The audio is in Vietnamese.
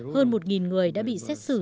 hơn một người đã bị xét xử